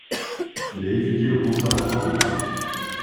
Il a étudié au Conservatoire de Paris.